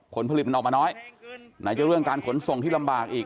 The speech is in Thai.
ผลผลิตมันออกมาน้อยไหนจะเรื่องการขนส่งที่ลำบากอีก